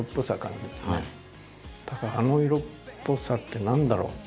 あの色っぽさって何だろう？